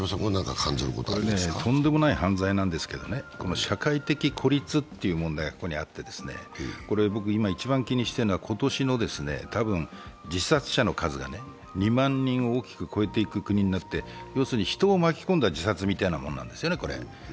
とんでもない犯罪なんですけど、社会的孤立という問題がここにあって僕、今一番気にしているのは、今年の自殺者の数が２万人を大きく超えていく国になって、要するに人を巻き込んだ自殺みたいなもんなんですよね、これ。